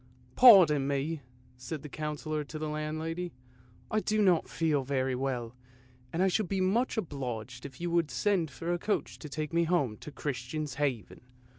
" Pardon me! " said the Councillor to the landlady; " I do not feel very well, and I should be much obliged if you would send for a coach to take me home to Christian's Haven."